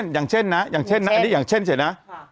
อย่างเช่นนะอย่างเช่นนะอันนี้อย่างเช่นเสียนะ